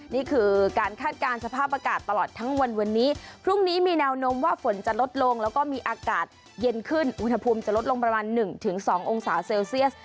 นี่คือการคาดการณ์สภาพอากาศตลอดทั้งวันวันนี้พรุ่งนี้มีแนวโน้มว่าฝนจะลดลงแล้วก็มีอากาศเย็นขึ้นอุณหภูมิจะลดลงประมาณ๑๒องศาเซลเซียส